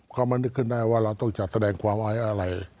เขามานึกขึ้นได้ว่าเราต้องจัดแสดงความไว้อะไร